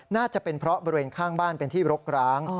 น่าจะเป็นเพราะบริเวณข้างบ้านเป็นที่รกร้าง